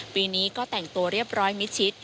ปีนี้ก็แต่งตัวเรียบร้อยมิดชิด